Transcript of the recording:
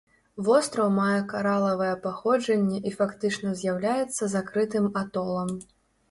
Востраў мае каралавае паходжанне і фактычна з'яўляецца закрытым атолам.